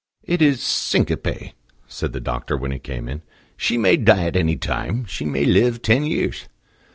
"It is syncope," said the doctor when he came in. "She may die at any time; she may live ten years."